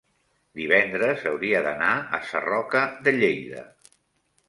divendres hauria d'anar a Sarroca de Lleida.